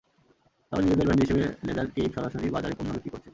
তবে নিজেদের ব্র্যান্ড হিসেবে লেদার কেইভ সরাসরি বাজারে পণ্য বিক্রি করছে।